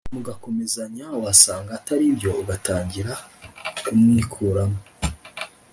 mu gakomezanya wasanga ataribyo ugatangira kumwikuramo.